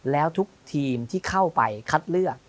แล้วทุกทีมที่เข้าไปคัดเลือก